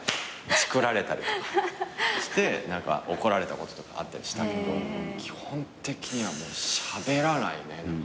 チクられたりとかして怒られたこととかあったりしたけど基本的にはしゃべらないね。